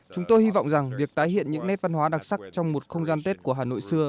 chúng tôi hy vọng rằng việc tái hiện những nét văn hóa đặc sắc trong một không gian tết của hà nội xưa